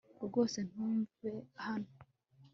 rwose ntuve hano